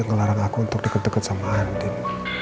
ngelarang aku untuk deket deket sama andin